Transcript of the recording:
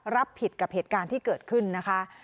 รับผิดกับเหตุการณ์ที่เกิดขึ้นนะคะ